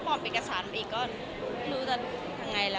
เป็นเกลียดหรือเป็นเกลียดง่าย